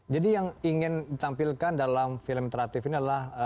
jadi yang ingin ditampilkan dalam film interaktif ini adalah